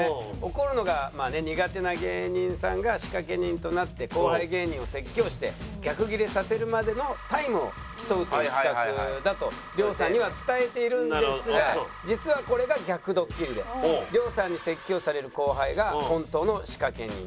怒るのが苦手な芸人さんが仕掛け人となって後輩芸人を説教して逆ギレさせるまでのタイムを競うという企画だと亮さんには伝えているんですが実はこれが逆ドッキリで亮さんに説教される後輩が本当の仕掛け人。